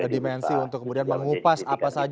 dimensi untuk kemudian mengupas apa saja